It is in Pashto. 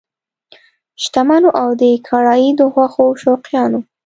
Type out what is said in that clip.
شتمنو او د کړایي د غوښو شوقیانو!